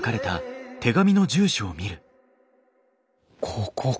ここか。